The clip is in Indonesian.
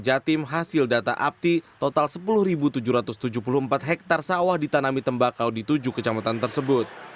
jatim hasil data apti total sepuluh tujuh ratus tujuh puluh empat hektare sawah ditanami tembakau di tujuh kecamatan tersebut